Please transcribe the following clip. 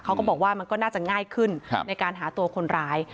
เขาก็บอกว่ามันก็น่าจะง่ายขึ้นในการหาตัวคนร้าย